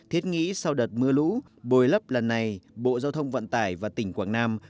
thiết nghĩ sau đợt mưa lũ bồi lấp lần này bộ giao thông vận tải và tỉnh quảng nam